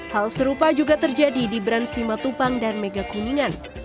hal serupa juga terjadi di brand simatupang dan megakuningan